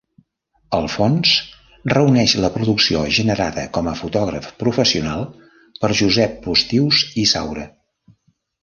El fons reuneix la producció generada com a fotògraf professional per Josep Postius i Saura.